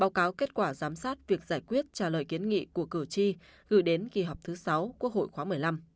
báo cáo kết quả giám sát việc giải quyết trả lời kiến nghị của cử tri gửi đến kỳ họp thứ sáu quốc hội khóa một mươi năm